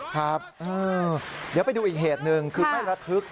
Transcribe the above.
ครับเดี๋ยวไปดูอีกเหตุหนึ่งคือไม่ระทึก